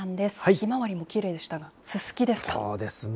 ひまわりもきれいでしたが、そうですね。